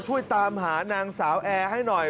ช่วยตามหานางสาวแอร์ให้หน่อย